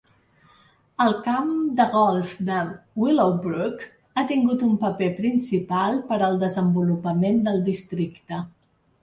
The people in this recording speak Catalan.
El camp de golf de Willowbrook ha tingut un paper principal per al desenvolupament del districte.